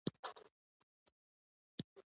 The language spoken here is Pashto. مالټې د سرطان ضد مواد لري.